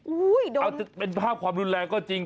อุ๊ยดมเป็นภาพความรุนแรงก็จริง